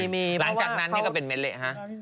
หลังจากนั้นเป็นเมลห์